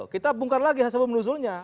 kita bungkar lagi hasil penuzulnya